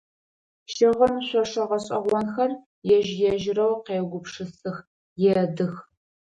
Щыгъын шъошэ гъэшӏэгъонхэр ежь-ежьырэу къеугупшысых, едых.